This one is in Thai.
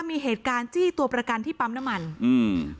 มีเหตุการณ์จี้ตัวประกันที่ปั๊มน้ำมันอืม